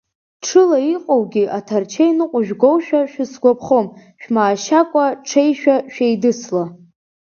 Ҽыла иҟоугьы аҭарчеи ныҟәыжәгоушәа шәысгәаԥхом, шәмаашьакәа ҽеишәа шәеидысла!